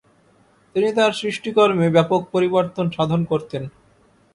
তিনি তার সৃষ্টিকর্মে ব্যাপক পরিবর্তন সাধন করতেন।